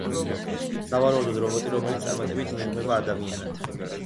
სავარაუდოდ რობოტი, რომელიც წარმატებით ინიღბება ადამიანად.